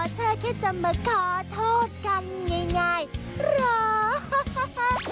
เธอแค่จะมาขอโทษกันง่ายหรอ